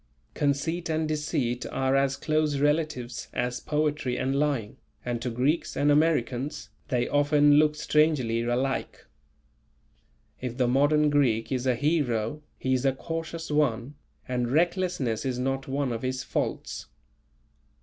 Conceit and deceit are as close relatives as poetry and lying, and to Greeks and Americans they often look strangely alike. If the modern Greek is a hero, he is a cautious one and recklessness is not one of his faults.